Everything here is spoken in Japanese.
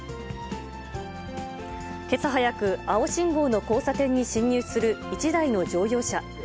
けさ早く、青信号の交差点に進入する１台の乗用車。